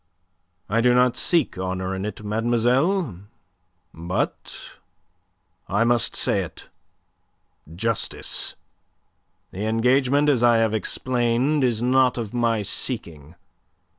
"I do not seek honour in it, mademoiselle, but I must say it justice. The engagement, as I have explained, is not of my seeking.